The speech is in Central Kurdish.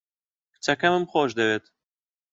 کچەکەمم خۆش دەوێت.